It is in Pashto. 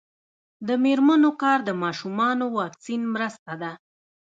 د میرمنو کار د ماشومانو واکسین مرسته ده.